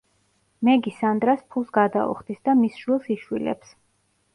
მეგი სანდრას ფულს გადაუხდის და მის შვილს იშვილებს.